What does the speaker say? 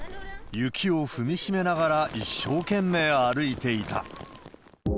雪を踏み締めながら一生懸命歩いていた。